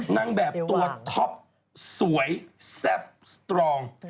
นางแบบตัวท็อปสวยแซ่บสตรอง